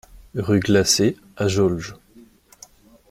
Rue Glacée à Jaulges